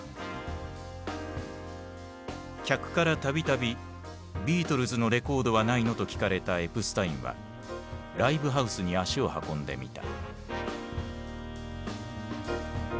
客からたびたび「ビートルズのレコードはないの？」と聞かれたエプスタインはライブハウスに足を運んでみた。